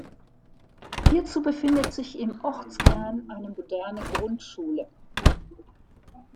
Hierzu befindet sich im Ortskern eine moderne Grundschule.